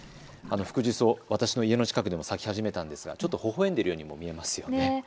フクジュソウ、私の家の近くでも咲き始めたんですがちょっとほほえんでいるようにも見えますね。